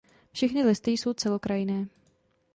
Všechny listy jsou celokrajné.